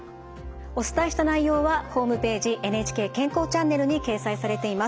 お伝えした内容はホームページ「ＮＨＫ健康チャンネル」に掲載されています。